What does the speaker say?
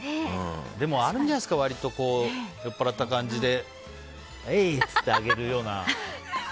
でもあるんじゃないですか割と、酔っぱらった感じでえいってあげるような。